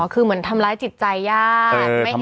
คือเหมือนทำร้ายจิตใจญาติ